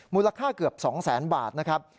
มูลค่าเกือบ๒แสนบาทนะครับ